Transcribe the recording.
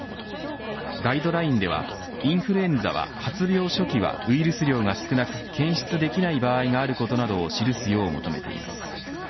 ガイドラインではインフルエンザは発病初期はウイルス量が少なく検出できない場合があることなどを記すよう求めています。